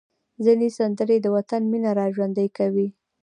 ځینې سندرې د وطن مینه راژوندۍ کوي.